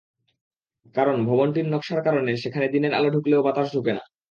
কারণ, ভবনটির নকশার কারণে সেখানে দিনের আলো ঢুকলেও বাতাস ঢোকে না।